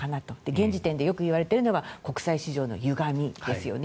現時点でよく言われているのは国際市場のゆがみですよね。